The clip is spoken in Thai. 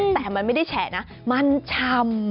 แต่มันไม่ได้แฉะนะมันชำ